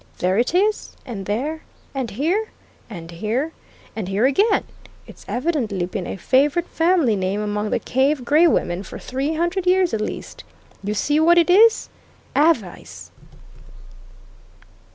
There it is and there and here and here and here again; it's evidently been a favourite family name among the Cave Gray women for three hundred years at least. You see what it is? Avice!"